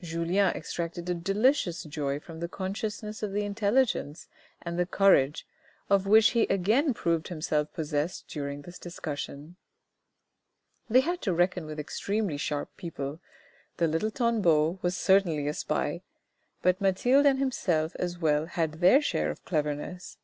Julien extracted a delicious joy from the consciousness of the intelligence and the courage, of which he again proved himself possessed during this discussion. They had to reckon with extremely sharp people, the little Tanbeau was certainly a spy, but Mathilde and himself as well had their share of cleverness.